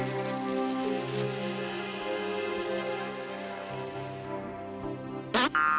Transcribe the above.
kayaknya ada yang gak beres deh